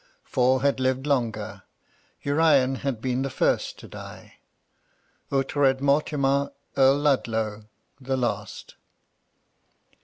Four had lived longer ; Urian had been the first to die, Ughtred Mortimar, Earl Ludlow, the last.